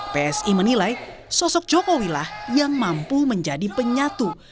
psi menilai sosok jokowi lah yang mampu menjadi penyatu